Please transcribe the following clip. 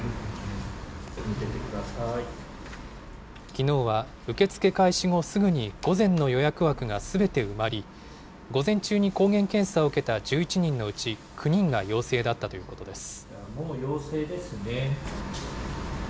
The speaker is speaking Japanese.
きのうは受け付け開始後すぐに午前の予約枠がすべて埋まり、午前中に抗原検査を受けた１１人のうち９人が陽性だったということです。